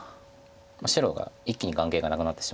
白が一気に眼形がなくなってしまうので。